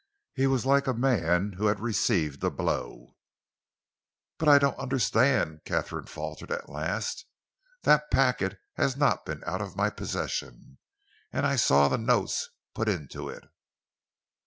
He was like a man who had received a blow. "But I don't understand," Katharine faltered at last. "That packet has not been out of my possession, and I saw the notes put into it."